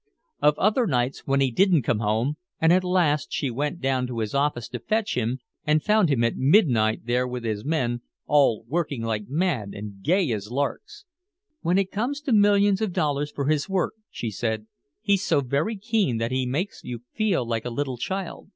Of other nights when he didn't come home and at last she went down to his office to fetch him and found him at midnight there with his men, "all working like mad and gay as larks!" "When it comes to millions of dollars for his work," she said, "he's so very keen that he makes you feel like a little child.